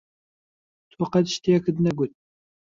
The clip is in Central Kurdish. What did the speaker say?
تۆ قەت شتێکت نەگوت.